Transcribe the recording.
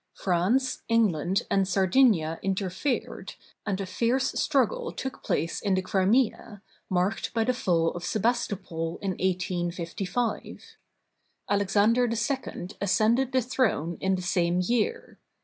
France, England, and Sardinia interfered, and a fierce struggle took place in the Crimea, marked by the fall of Sebastopol in 1855. Alexander II ascended the throne in the same year.